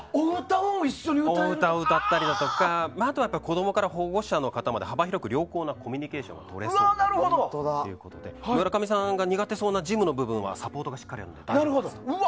お歌を歌ったりだとか、子供から保護者の方まで幅広く良好なコミュニケーションをとれそうだとかということで村上さんが苦手な事務の部分はサポートがしっかりあるので大丈夫です。